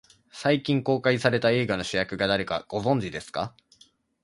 最近公開された映画の主役が誰か、ご存じですか。